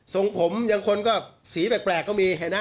ส่งผมอย่างคนก็สีแปลกก็มี